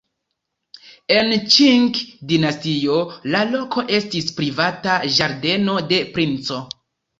En Ĉing-dinastio la loko estis privata ĝardeno de princo.